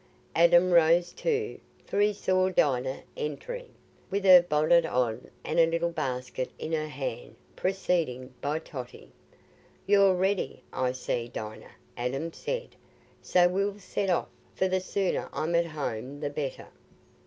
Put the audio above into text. Adam rose too, for he saw Dinah entering, with her bonnet on and a little basket in her hand, preceded by Totty. "You're ready, I see, Dinah," Adam said; "so we'll set off, for the sooner I'm at home the better."